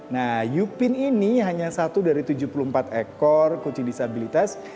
nah yupin ini hanya satu dari tujuh puluh empat ekor kucing disabilitas